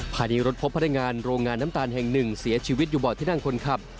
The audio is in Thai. พารีรถพบพันธุ์งานโรงงานน้ำตาลแห่ง๑เสียชีวิตอยู่บ่อที่นั่งคนขับ